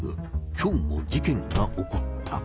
今日も事件が起こった。